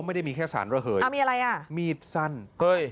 ไม่ได้มีแค่สารระเหยอ่ามีอะไรอ่ะมีดสั้นเฮ้ย